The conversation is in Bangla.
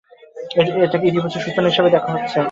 এটাকে ইতিবাচক সূচনা হিসেবেই দেখা হচ্ছে।